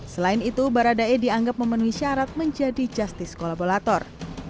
selain itu baradae dianggap memenuhi syarat menjadi justice kolaborator